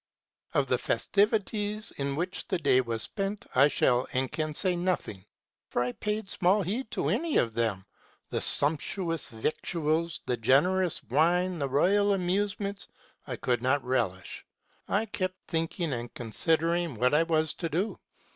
" Of all the festivities in which the day was spent, I shall and can not give an account ; for I paid small heed to them. The sumptuous victuals, the generous wine, the royal amuse ments, I could not relish. I kept thinking and considering what I was to do.